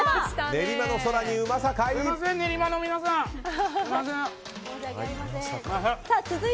練馬の空にうまさかい！